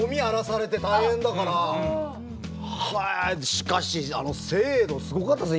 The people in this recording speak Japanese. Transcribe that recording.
しかしあの精度すごかったですね